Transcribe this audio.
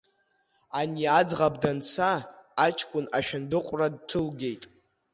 Ани аӡӷаб данца, аҷкәын ашәындыҟәра дҭылгеит.